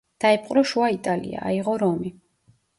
დაიპყრო შუა იტალია, აიღო რომი.